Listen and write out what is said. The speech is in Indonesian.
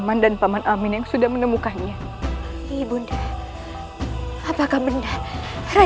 aku undang dan ujang akan pergi menuju kerajaan batu muda untuk membela kerajaan puspanegara